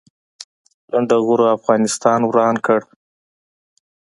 لنډغرو افغانستان وران کړ